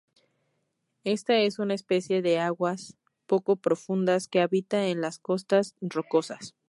Esta es una especie de aguas poco profundas que habita en las costas rocosas.